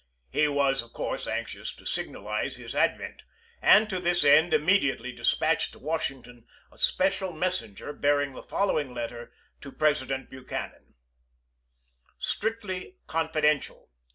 He was, of course, anxious to signalize his advent ; and to this end immediately dispatched to Washington a special messenger, bearing the following letter to Presi dent Buchanan : (Strictly confidential.)